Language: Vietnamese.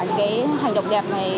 những hành động đẹp này